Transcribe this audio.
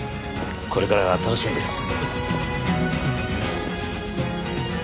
これからが楽しみです。